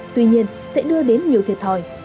tuy nhiên sẽ đưa đến nhiều thiệt thòi